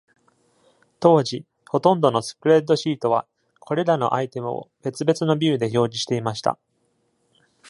当時、ほとんどのスプレッドシートはこれらのアイテムを別々のビューで表示していました。